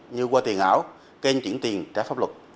như qua tiền ảo kênh chuyển tiền trái pháp luật